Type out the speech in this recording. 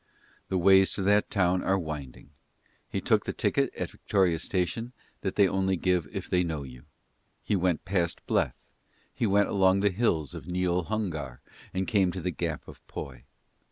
The ways to that town are winding; he took the ticket at Victoria Station that they only give if they know you: he went past Bleth: he went along the Hills of Neol Hungar and came to the Gap of Poy.